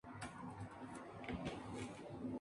Es una canción larga, de más de seis minutos de duración.